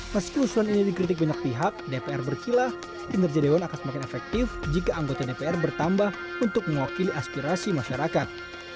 meski usulan ini dikritik banyak pihak dpr berkilah kinerja dewan akan semakin efektif jika anggota dpr bertambah untuk mewakili aspirasi masyarakat